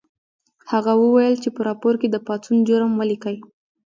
هغه وویل چې په راپور کې د پاڅون جرم ولیکئ